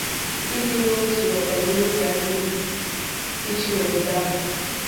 ịdịnotu na ọganihu gaa n'ihu ịchị n'obodo ahụ